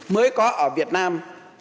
mới có ở việt nam